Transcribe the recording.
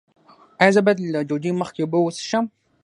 ایا زه باید له ډوډۍ مخکې اوبه وڅښم؟